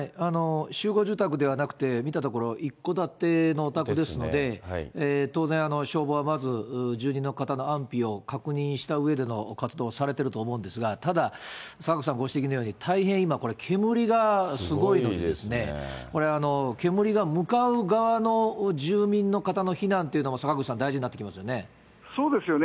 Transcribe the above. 集合住宅ではなくて、見たところ、一戸建てのお宅ですので、当然、消防はまず、住人の方の安否を確認したうえでの活動をされてると思うんですが、ただ坂口さんご指摘のように、大変今、煙がすごいので、これ、煙が向かう側の住民の方の避難というのも坂口さん、そうですよね。